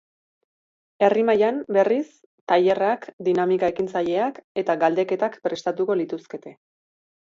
Herri-mailan, berriz, tailerrak, dinamika ekintzaileak eta galdeketak prestatuko lituzkete.